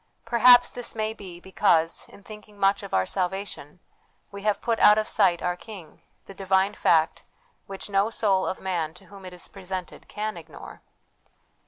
Per haps this may be because, in thinking much of our salvation, we have put out of sight our King, the divine fact which no soul of man to whom it is presented can ignore.